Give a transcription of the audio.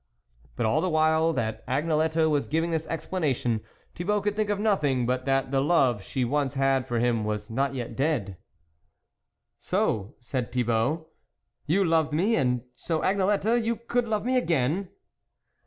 But all the while that Agnelette was giving this explanation, Thibault could think of nothing but that the love she once had for him was not yet dead." " So," said Thibault, " you loved me ? and so, Agnelette you could love me again